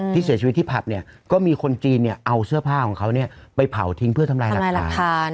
ที่เสียชีวิตที่ผับเนี่ยก็มีคนจีนเอาเสื้อผ้าของเขาไปเผาทิ้งเพื่อทำลายหลักฐาน